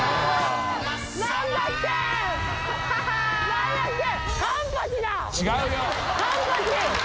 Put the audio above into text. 何だっけ？